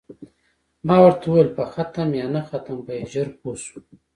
ما ورته وویل: په ختم یا نه ختم به یې ژر پوه شو.